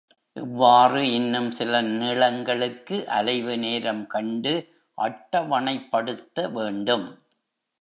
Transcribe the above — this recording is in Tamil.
இவ்வாறு இன்னும் சில நீளங்களுக்கு அலைவு நேரம் கண்டு அட்டவணைப்படுத்த வேண்டும்.